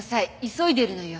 急いでるのよ。